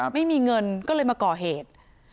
ไม่มีเงินก็เลยมาก่อเหตุ